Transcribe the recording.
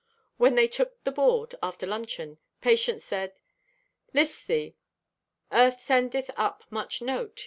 When they took the board, after luncheon, Patience said: "List thee. Earth sendeth up much note.